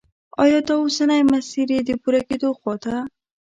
آیا دا اوسنی مسیر یې د پوره کېدو خواته